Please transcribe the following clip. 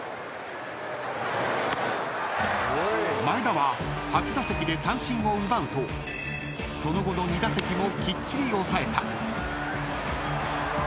［前田は初打席で三振を奪うとその後の２打席もきっちり抑えた］